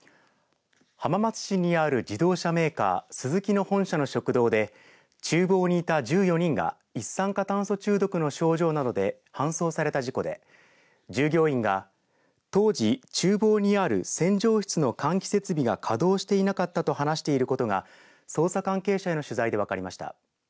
浜松市にある自動車メーカースズキの本社の食堂でちゅう房にいた１４人が一酸化炭素中毒の症状などで搬送された事故で従業員が当時、ちゅう房にある洗浄室の換気設備が稼働していなかったと話していることが捜査関係者への取材で分かりました。